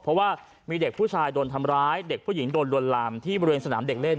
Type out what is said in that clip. เพราะว่ามีเด็กผู้ชายโดนทำร้ายเด็กผู้หญิงโดนลวนลามที่บริเวณสนามเด็กเล่น